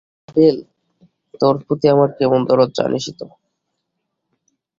আরে ভেল, তোর প্রতি আমার কেমন দরদ, জানিসই তো।